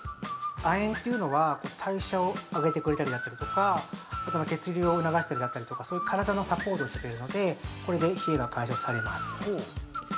亜鉛というのは、代謝を上げてくれたりだとか血流を促したりだったりとかそういう体のサポートをしてくれるのでこれで冷えが解消されます。